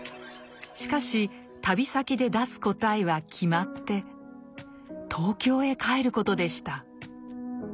しかし旅先で出す答えは決まって東京へ帰ることでした。